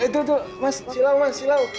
eh tuh tuh mas silau mas silau